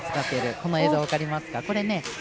この映像、分かりますか。